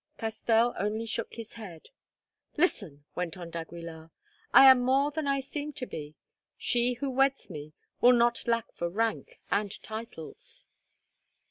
Castell only shook his head. "Listen," went on d'Aguilar. "I am more than I seem to be; she who weds me will not lack for rank and titles."